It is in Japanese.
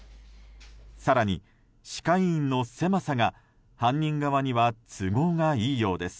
更に、歯科医院の狭さが犯人側には都合がいいようです。